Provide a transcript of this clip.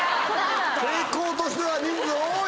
傾向としては人数多い！